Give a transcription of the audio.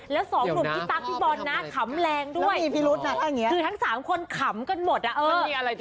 แล้วสองหนุ่มพี่ตั๊กพี่บอลนะขำแรงด้วยคือทั้ง๓คนขำกันหมดอ่ะ